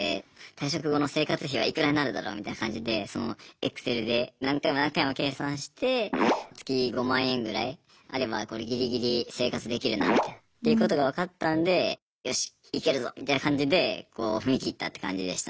退職後の生活費はいくらになるだろうみたいな感じでＥｘｃｅｌで何回も何回も計算して月５万円ぐらいあればこれギリギリ生活できるなみたいなということが分かったんでよしイケるぞみたいな感じでこう踏み切ったって感じでしたね。